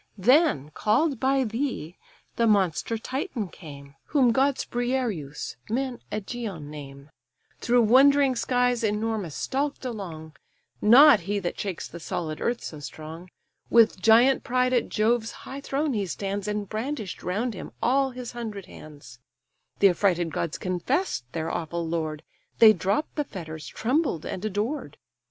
Then, call'd by thee, the monster Titan came (Whom gods Briareus, men Ægeon name), Through wondering skies enormous stalk'd along; Not he that shakes the solid earth so strong: With giant pride at Jove's high throne he stands, And brandish'd round him all his hundred hands: The affrighted gods confess'd their awful lord, They dropp'd the fetters, trembled, and adored.